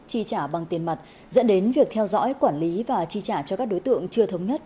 chi trả bằng tiền mặt dẫn đến việc theo dõi quản lý và chi trả cho các đối tượng chưa thống nhất